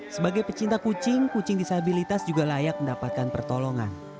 sebagai pecinta kucing kucing disabilitas juga layak mendapatkan pertolongan